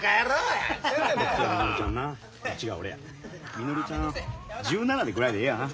みのりちゃん１７ぐらいでええやな。